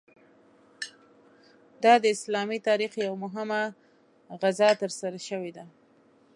دا د اسلامي تاریخ یوه مهمه غزا ترسره شوې ده.